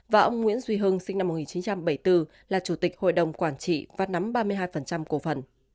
và ông nguyễn duy hưng sinh năm một nghìn chín trăm bảy mươi bốn là chủ tịch hội đồng quản trị và nắm ba mươi hai cổ phần